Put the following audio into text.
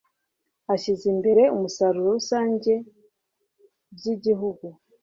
ashyize imbere umusaruro rusange by igihugu